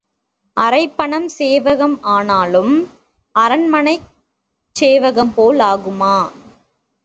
அரைப் பணம் சேவகம் ஆனாலும் அரண்மனைச் சேவகம் போல் ஆகுமா?